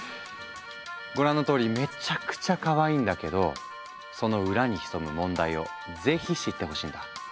ご覧のとおりめちゃくちゃかわいいんだけどその裏に潜む問題を是非知ってほしいんだ。